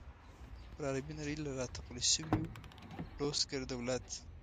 پر عربي نړۍ له را تپل شوي بلوسګر دولت.